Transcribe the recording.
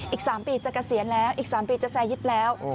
อีก๓ปีจะเกษียณแล้วอีก๓ปีจะแซร์ยึดแล้ว